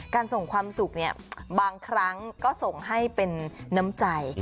ส่งความสุขบางครั้งก็ส่งให้เป็นน้ำใจ